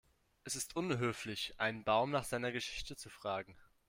Es ist unhöflich, einen Baum nach seiner Geschichte zu fragen.